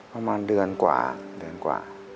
ประมาณเดือนกว่า